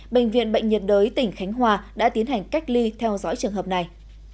bệnh viện bệnh nhiệt đới tỉnh khánh hòa đã tiến hành cách ly theo dõi trường hợp này